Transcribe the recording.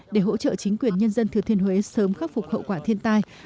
để hỗ trợ chính quyền nhân dân thừa thiên huế sớm khắc phục hậu quả thiên tai